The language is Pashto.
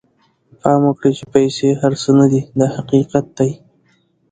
پام وکړئ چې پیسې هر څه نه دي دا حقیقت دی.